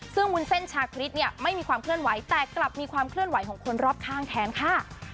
ซึ่งวุ้นเส้นชาคริสเนี่ยไม่มีความเคลื่อนไหวแต่กลับมีความเคลื่อนไหวของคนรอบข้างแทนค่ะ